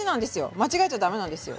間違えちゃ駄目なんですよ。